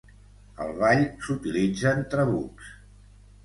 Al ball s'utilitzen trabucs.